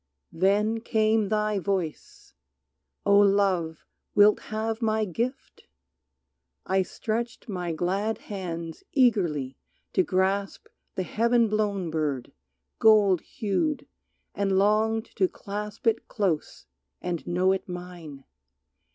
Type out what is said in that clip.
Then came thy voice: "O Love, wilt have my gift?" I stretched my glad hands eagerly to grasp The heaven blown bird, gold hued, and longed to clasp It close and know it mine.